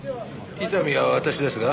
伊丹は私ですが。